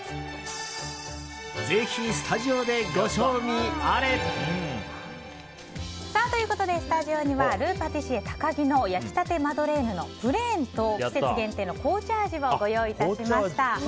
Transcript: ぜひ、スタジオでご賞味あれ！ということでスタジオにはルパティシエタカギの焼き立てマドレーヌのプレーンと季節限定の紅茶味をご用意いたしました。